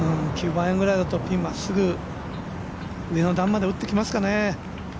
９番アイアンくらいだとまっすぐ上の段まで打ってきますかね。